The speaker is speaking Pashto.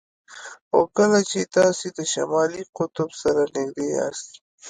خو کله چې تاسو د شمالي قطب سره نږدې یاست